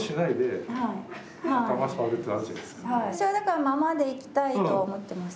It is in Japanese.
私はだからままでいきたいと思っています。